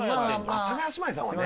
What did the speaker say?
阿佐ヶ谷姉妹さんはね。